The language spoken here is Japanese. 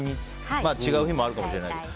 違う日もあるかもしれないけど。